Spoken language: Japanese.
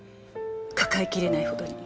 抱えきれないほどに。